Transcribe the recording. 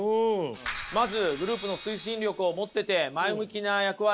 まずグループの推進力を持ってて前向きな役割。